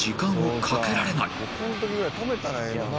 この時ぐらい止めたらええのに。